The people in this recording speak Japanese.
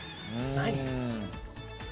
何？